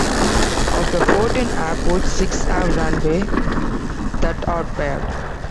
Of the fourteen airports, six have runways that are paved.